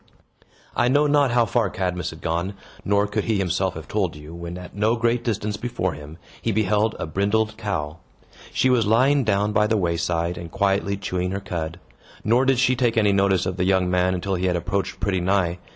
I know not how far Cadmus had gone, nor could he himself have told you, when at no great distance before him, he beheld a brindled cow. She was lying down by the wayside, and quietly chewing her cud; nor did she take any notice of the young man until he had approached pretty nigh.